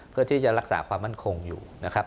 เพื่อที่จะรักษาความมั่นคงอยู่นะครับ